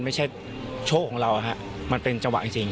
มันไม่ใช่โชคของเราค่ะมันเป็นจังหวะอย่างจริง